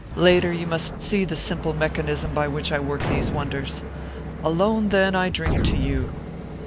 Later you must see the simple mechanism by which I work these wonders. Alone, then, I drink to you."